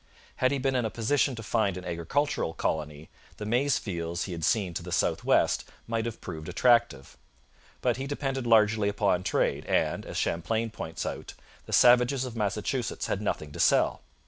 Had he been in a position to found an agricultural colony, the maize fields he had seen to the south west might have proved attractive. But he depended largely upon trade, and, as Champlain points out, the savages of Massachusetts had nothing to sell.